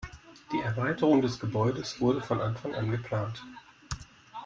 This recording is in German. Die Erweiterung des Gebäudes wurde von Anfang an geplant.